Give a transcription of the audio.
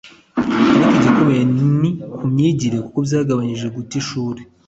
ariko igikomeye ni ku myigire kuko byagabanyije guta ishuri